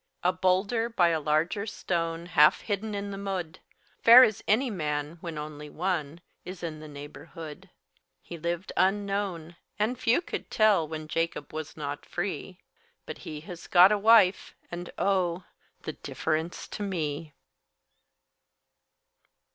A boulder, by a larger stone Half hidden in the mud, Fair as a man when only one Is in the neighborhood. He lived unknown, and few could tell When Jacob was not free; But he has got a wife and O! The difference to me!